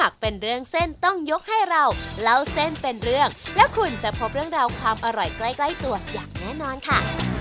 คุณจะพบเรื่องราวความอร่อยใกล้ตัวอย่างแน่นอนค่ะ